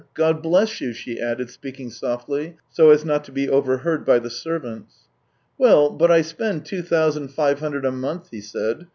God bless you !" she added, speaking softly, so as not to be over heard by the servants. " Well, but I spend two thousand five hundred a month," he said.